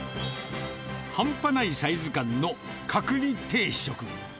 半端ないサイズ感の角煮定食。